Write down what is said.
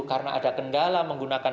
karena ada kendala menggunakan